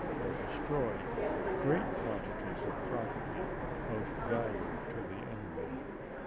or destroyed great quantities of property of value pp 10» xi to the enemy.